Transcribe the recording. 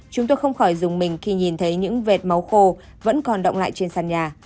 chúng tôi không khỏi dùng mình khi nhìn thấy những vệt máu khô vẫn còn động lại trên sàn nhà